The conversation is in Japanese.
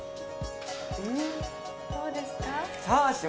どうですか？